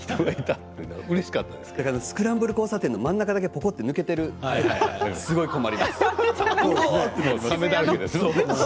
スクランブル交差点の真ん中だけ抜けてるところ困ります。